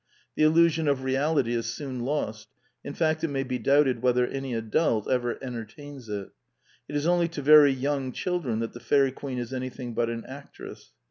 The illusion of reality is soon lost: in fact it may )be doubted whether any adult ever entertains it: it is only to very young children that the fairy queen is anything but an actress.